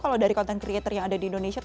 kalau dari content creator yang ada di indonesia